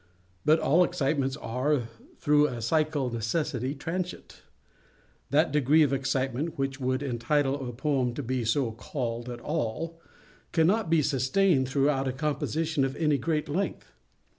But all excitements are, through a psychal necessity, transient. That degree of excitement which would entitle a poem to be so called at all, cannot be sustained throughout a composition of any great length.